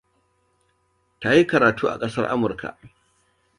Ta yi karatu a kasar Amurka.